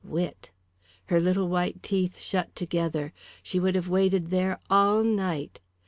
Wit! Her little white teeth shut together; she would have waited there all night.